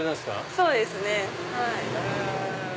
そうですねはい。